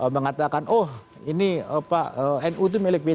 mengatakan oh ini nu itu milik b tiga